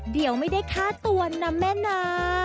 เดี๋ยวไม่ได้ฆ่าตัวนะแม่นะ